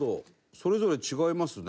それぞれ違いますね。